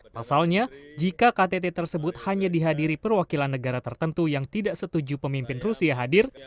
pasalnya jika ktt tersebut hanya dihadiri perwakilan negara tertentu yang tidak setuju pemimpin rusia hadir